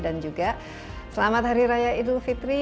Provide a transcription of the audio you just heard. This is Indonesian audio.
dan juga selamat hari raya dufitri